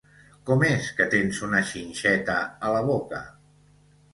Com és que tens una xinxeta a la boca?